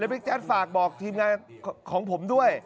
แล้วพี่แจ๊ดฝากบอกทีมงานของผมด้วย